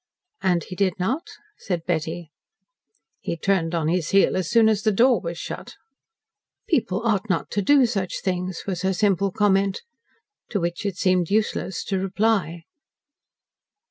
"And he did not?" said Betty "He turned on his heel as soon as the door was shut." "People ought not to do such things," was her simple comment. To which it seemed useless to reply.